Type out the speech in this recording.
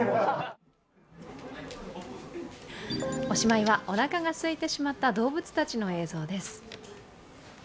おしまいは、おなかが空いてしまった動物たちの映像です。